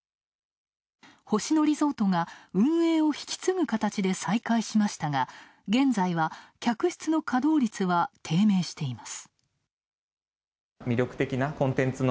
星野リゾートが運営を引き継ぐ形で再開しましたが現在は客室の稼働率は低迷しています。